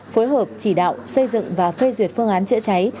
phối hợp chỉ đạo xây dựng và phê duyệt phương án chữa cháy